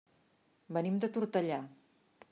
Venim de Tortellà.